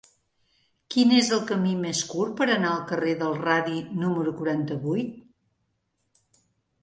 Quin és el camí més curt per anar al carrer del Radi número quaranta-vuit?